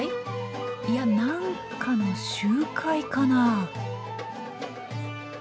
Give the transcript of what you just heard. いや何かの集会かなあ。